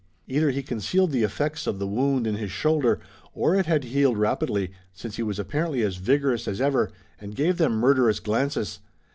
Either he concealed the effects of the wound in his shoulder or it had healed rapidly, since he was apparently as vigorous as ever and gave them murderous glances.